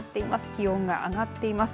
気温が上がっています。